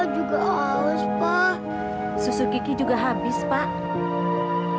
juga harus pak susu kiki juga habis pak